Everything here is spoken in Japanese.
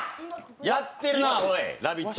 やってるな、おい、「ラヴィット！」